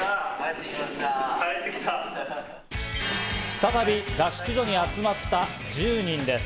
再び合宿所に集まった１０人です。